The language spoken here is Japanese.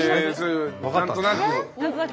何となく？